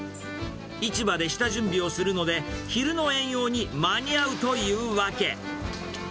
市場で下準備をするので、昼の営業に間に合うというわけ。